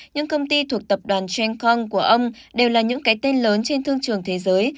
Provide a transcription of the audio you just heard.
những công ty thuộc tập đoàn stencon của ông đều là những cái tên lớn trên thương trường thế giới